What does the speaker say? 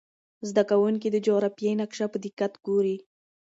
زده کوونکي د جغرافیې نقشه په دقت ګوري.